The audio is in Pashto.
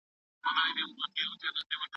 ښځې او نارینه د ټولني دوه وزرونه دي.